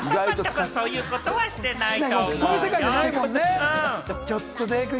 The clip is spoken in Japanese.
そういうことはしてないと思うよ。